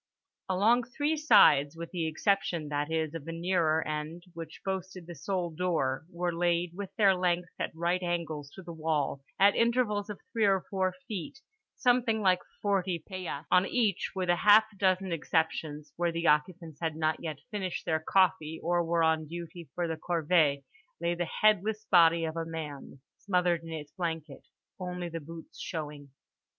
Along three sides (with the exception, that is, of the nearer end, which boasted the sole door) were laid, with their lengths at right angles to the wall, at intervals of three or four feet, something like forty paillasses. On each, with half a dozen exceptions (where the occupants had not yet finished their coffee or were on duty for the corvée) lay the headless body of a man smothered in its blanket, only the boots showing.